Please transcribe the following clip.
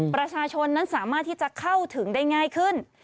ประชาชนนั้นสามารถที่จะเข้าถึงได้ง่ายขึ้น